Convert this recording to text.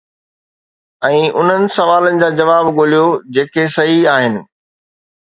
۽ انهن سوالن جا جواب ڳوليو جيڪي صحيح آهن